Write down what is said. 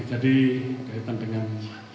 jadi kaitan dengan